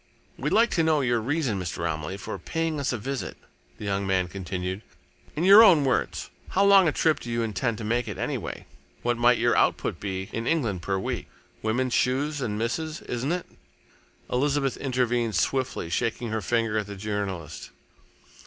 "We'd like to know your reason, Mr. Romilly, for paying us a visit," the young man continued, "in your own words. How long a trip do you intend to make, anyway? What might your output be in England per week? Women's shoes and misses', isn't it?" Elizabeth intervened swiftly, shaking her finger at the journalist.